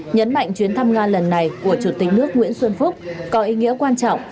nhấn mạnh chuyến thăm nga lần này của chủ tịch nước nguyễn xuân phúc có ý nghĩa quan trọng